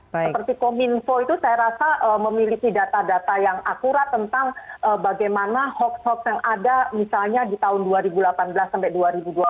seperti kominfo itu saya rasa memiliki data data yang akurat tentang bagaimana hoax hoax yang ada misalnya di tahun dua ribu delapan belas sampai dua ribu dua puluh